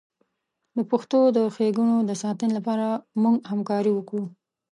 د پښتو د ښیګڼو د ساتنې لپاره موږ همکاري وکړو.